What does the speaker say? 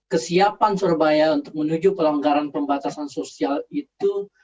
kesiapan surabaya untuk menuju pelonggaran pembatasan sosial itu